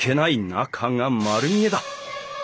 中が丸見えだ。